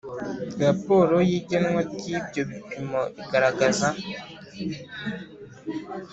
raporo y igenwa ry ibyo bipimo igaragaza